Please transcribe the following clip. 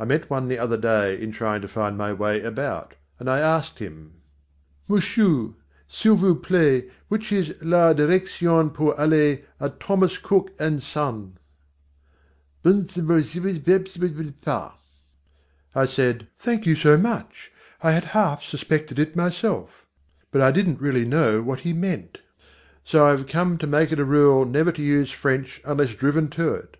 I met one the other day in trying to find my way about, and I asked him: "Musshoo, s'il vous plait, which is la direction pour aller à Thomas Cook & Son?" "B'n'm'ss'ulvla'n'fsse'n'sse'pas!" I said: "Thank you so much! I had half suspected it myself." But I didn't really know what he meant. So I have come to make it a rule never to use French unless driven to it.